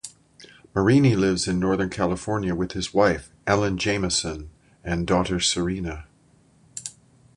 Marini lives in Northern California with his wife, Ellen Jamason, and daughter Serena.